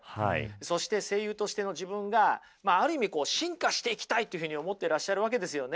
そして声優としての自分がある意味進化していきたいというふうに思っていらっしゃるわけですよね。